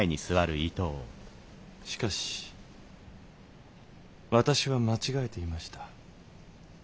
しかし私は間違えていました。